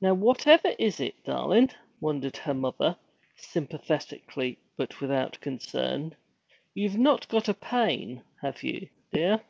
'Now, whatever is it, darlin'?' wondered her mother, sympathetically but without concern. 'You've not got a pain, have you, dear?'